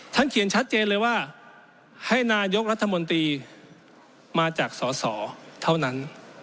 เขียนชัดเจนเลยว่าให้นายกรัฐมนตรีมาจากสอสอเท่านั้น